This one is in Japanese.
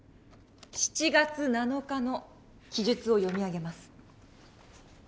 ７月７日の記述を読み上げます。